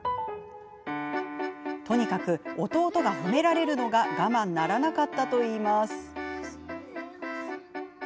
とにかく、弟が褒められるのが我慢ならなかったといいます。